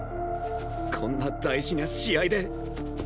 こんな大事な試合で。